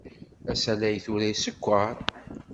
Asalay tura isekkeṛ.